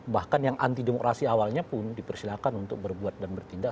bahkan yang anti demokrasi awalnya pun dipersilakan untuk berbuat dan bertindak